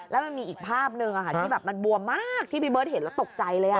แล้วมันมีอีกภาพหนึ่งที่แบบมันบวมมากที่พี่เบิร์ตเห็นแล้วตกใจเลย